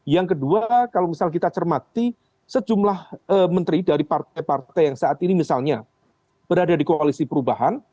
yang kedua kalau misal kita cermati sejumlah menteri dari partai partai yang saat ini misalnya berada di koalisi perubahan